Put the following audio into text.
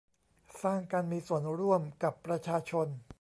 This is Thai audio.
สร้างการมีส่วนร่วมกับประชาชน